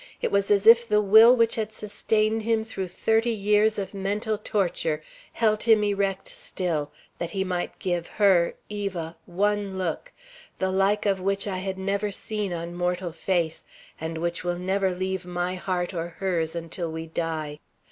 It was as if the will which had sustained him through thirty years of mental torture held him erect still, that he might give her, Eva, one look, the like of which I had never seen on mortal face, and which will never leave my heart or hers until we die.